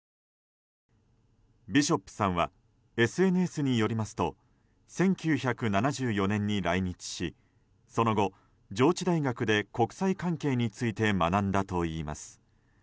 ビショップさんはＳＮＳによりますと１９７４年に来日しその後、上智大学で国際関係について学んだといいます。